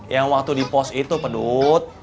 yang waktu di pos itu pedut